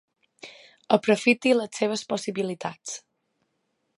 Aprofiti les seves possibilitats.